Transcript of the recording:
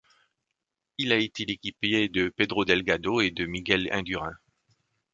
Il a été l'équipier de Pedro Delgado et de Miguel Indurain.